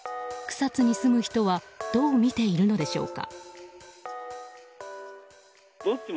草津に住む人はどう見ているのでしょうか。